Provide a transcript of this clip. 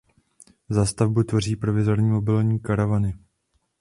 Zástavbu tvoří provizorní mobilní karavany.